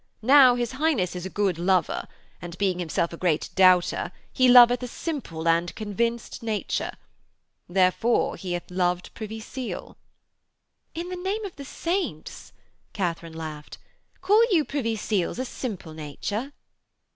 Now his Highness is a good lover, and being himself a great doubter, he loveth a simple and convinced nature. Therefore he hath loved Privy Seal....' 'In the name of the saints,' Katharine laughed, 'call you Privy Seal's a simple nature?'